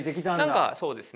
何かそうですね。